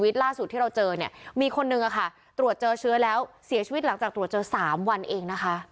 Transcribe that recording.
ตรวจเจอเชื้อแล้วเสียชีวิตหลังจากตรวจเจอ๓วันเองนะคะ